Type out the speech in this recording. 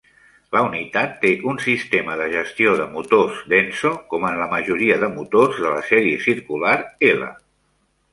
La unitat té un sistema de gestió de motors Denso, com en la majoria de motors de la sèrie circular L.